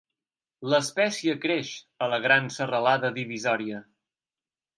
L'espècie creix a la Gran Serralada Divisòria.